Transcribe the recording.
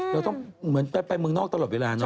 เราต้องเหมือนไปเมืองนอกตลอดเวลาเนอ